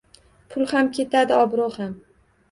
Pul ham ketadi, obroʻ ham..